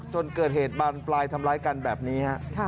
จนเกิดเหตุบานปลายทำร้ายกันแบบนี้ฮะ